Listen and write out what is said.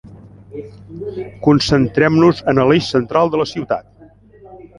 Concentrem-nos en l'eix central de la ciutat.